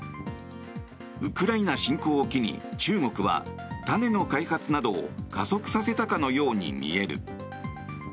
ウクライナ侵攻を機に中国は種の開発などを加速させたかのように見える。